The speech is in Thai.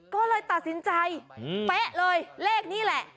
ก็เลยตัดสินใจเป๊ะเลยเลขนี้แหละ